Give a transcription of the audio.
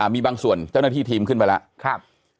มีบางส่วนเจ้าหน้าที่ทีมขึ้นไปแล้ว